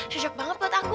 sajak banget buat aku